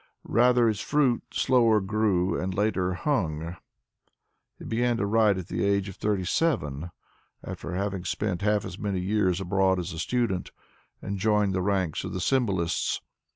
Rather, its fruit slower grew, and later hung. He began to write at the age of thirty seven, after having spent half as many years abroad as a student, and joined the ranks of the symbolists.